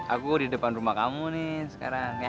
aku di depan rumah kamu nih sekarang